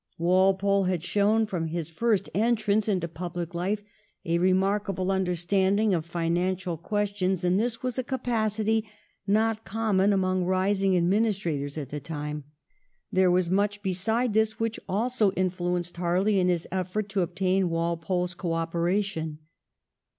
Walpole 224 THE REIGN OF QUEEN ANNE. ch. xxxi. had shown from his first entrance into public life a remarkable understanding of financial questions, and this was a capacity not common among rising administrators at the time. There was much beside this which also influenced Harley in his effort to obtain Walpole's co operation.